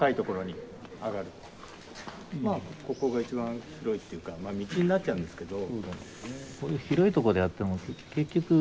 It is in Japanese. まあここが一番広いっていうか道になっちゃうんですけど。